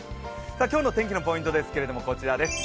今日の天気のポイントですけれども、こちらです。